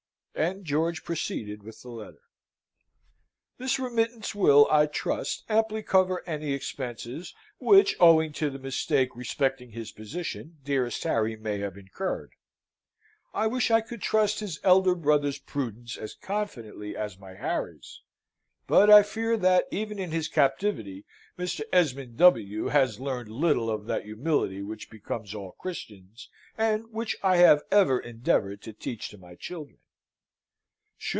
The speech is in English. And George proceeded with the letter: "This remittance will, I trust, amply cover any expenses which, owing to the mistake respecting his position, dearest Harry may have incurred. I wish I could trust his elder brother's prudence as confidently as my Harry's! But I fear that, even in his captivity, Mr. Esmond W. has learned little of that humility which becomes all Christians, and which I have ever endeavoured to teach to my children.